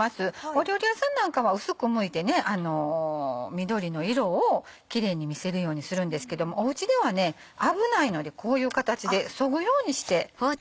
お料理屋さんなんかは薄くむいて緑の色をキレイに見せるようにするんですけどもおうちでは危ないのでこういう形でそぐようにして。